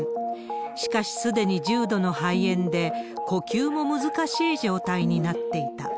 しかし、すでに重度の肺炎で、呼吸も難しい状態になっていた。